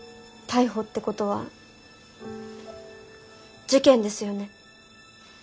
逮捕ってことは事件ですよね？